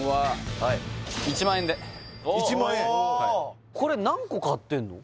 はいこれ何個買ってんの？